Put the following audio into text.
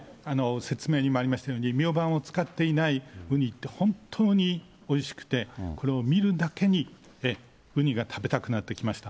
説明にもありましたように、ミョウバンを使っていないウニって、本当においしくて、これを見るだけに、ウニが食べたくなってきました。